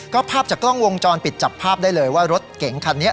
ก็ภาพจากกล้องวงจรปิดจับภาพได้เลยว่ารถเก๋งคันนี้